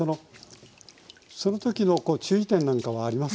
そのときの注意点なんかはありますか？